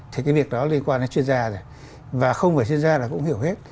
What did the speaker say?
thì cái việc đó liên quan đến chuyên gia rồi và không phải chuyên gia là cũng hiểu hết